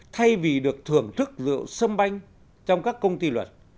thay vì được thưởng thức rượu xâm banh trong các công ty luật